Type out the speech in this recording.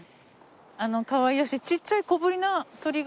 かわいらしいちっちゃい小ぶりな鳥が。